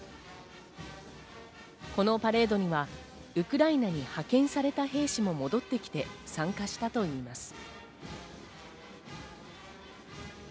このパレードにはウクライナに派遣された兵士も戻ってきて参加したといいます。